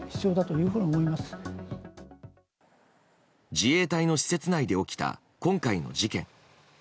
自衛隊の施設内で起きた今回の事件。